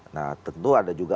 nah tentu ada juga